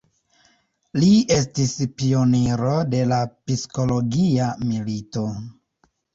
Li estis pioniro de la psikologia milito.